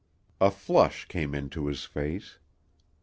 A flush came into his face.